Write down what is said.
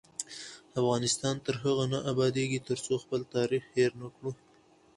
افغانستان تر هغو نه ابادیږي، ترڅو خپل تاریخ هیر نکړو.